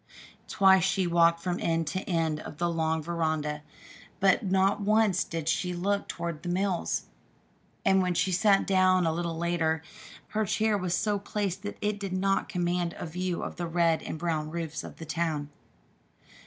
Twice she walked from end to end of the long veranda, but not once did she look toward the mills; and when she sat down a little later, her chair was so placed that it did not command a view of the red and brown roofs of the town.